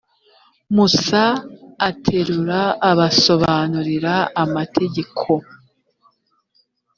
musa aterura abasobanurira amategeko